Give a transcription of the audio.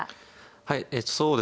はいそうですね